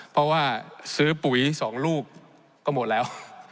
เพราะว่าซื้อปุ๋ย๒ลูกก็หมดแล้ว